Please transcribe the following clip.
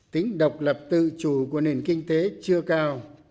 tính độc lập tự chủ của nền kinh tế chưa cao